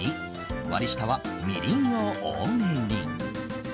２割り下はみりんを多めに。